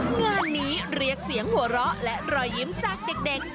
งานนี้เรียกเสียงหัวเราะและรอยยิ้มจากเด็ก